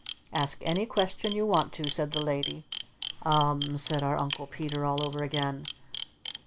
"Ask any question you want to," said the Lady. "U m m," said our Uncle Peter all over again.